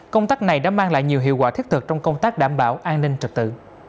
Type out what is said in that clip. công tác này đã mang lại nhiều hiệu quả thiết thực trong công tác đảm bảo an ninh trật tự